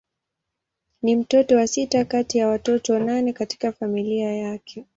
Ni mtoto wa sita kati ya watoto nane katika familia yake.